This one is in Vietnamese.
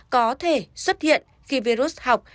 có thể xuất hiện khi virus học